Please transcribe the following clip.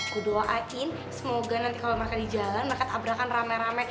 gue doain semoga nanti kalau mereka di jalan mereka tabrakan rame rame